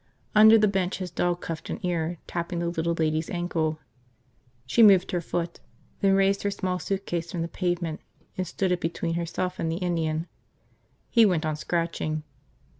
Under the bench his dog cuffed an ear, tapping the little lady's ankle. She moved her foot, then raised her small suitcase from the pavement and stood it between herself and the Indian. He went on scratching.